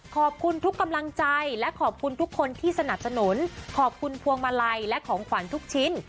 ขอบคุณทุกกำลังใจและขอบคุณทุกคนที่สนับสนุนขอบคุณพวงมาลัยและของขวัญทุกชิ้น